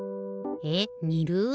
えっにる？